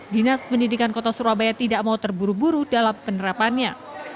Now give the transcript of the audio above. dinas pendidikan kota surabaya tidak mau terburu buru dalam penerapannya